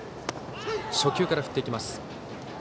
初球から振っていきます。